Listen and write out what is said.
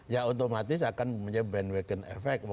ya otomatis akan menjadi bandwagon effect